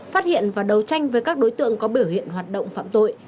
phát hiện và đấu tranh với các đối tượng có biểu hiện hoạt động phạm tội